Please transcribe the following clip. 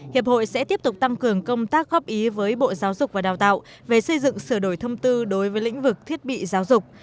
hiệp hội sẽ tiếp tục tăng cường công tác góp ý với bộ giáo dục và đào tạo về xây dựng sửa đổi thông tư đối với lĩnh vực thiết bị giáo dục